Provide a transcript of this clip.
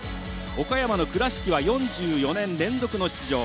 岡山の倉敷は４４年連続の出場。